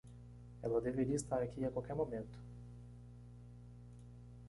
Ela deveria estar aqui a qualquer momento.